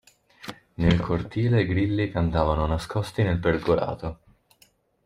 Nel cortile i grilli cantavano nascosti nel pergolato.